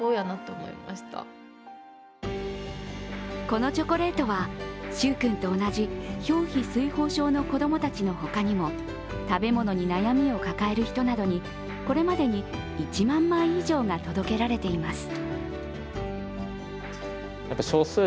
このチョコレートは柊君と同じ、表皮水ほう症の子供たちのほかにも食べ物に悩みを抱える人などにこれまでに１万枚以上が届けられています。